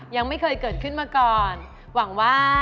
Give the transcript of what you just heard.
ยังไม่เคยเกิดขึ้นมาก่อนหวังว่า